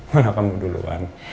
mana kamu duluan